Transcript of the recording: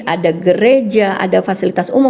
ada gereja ada fasilitas umum